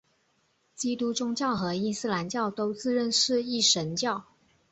基督宗教和伊斯兰教都自认是一神教。